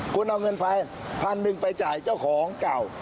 คุณเอาเงินไปพันหนึ่งไปจ่ายเจ้าของเก่า